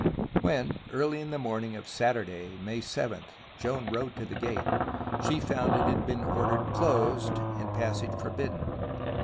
When early in the morning of Saturday, May 7th, Joan rode to the gate, she found it had been ordered closed, and passage forbidden.